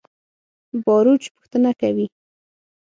باروچ پوښتنه کوي.